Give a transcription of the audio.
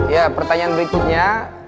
ya pertanyaan berikutnya